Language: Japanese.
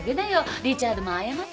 リチャードも謝ってんだし。